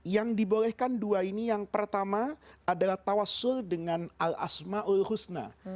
yang dibolehkan dua ini yang pertama adalah tawasul dengan al asma'ul husna